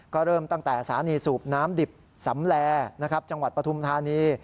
ก็เริ่มตั้งแต่สถานีสูบน้ำดิบสำแลจังหวัดปฐุมธานี